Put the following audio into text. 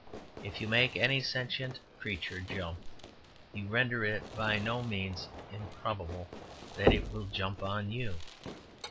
If you make any sentient creature jump, you render it by no means improbable that it will jump on you.